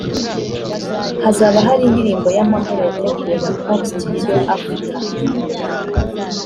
hazaba hari indirimbo y’amahoro yateguwe na Coke Studio Afrika